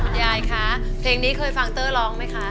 ยายคะเพลงนี้เคยฟังเตอร์ร้องไหมคะ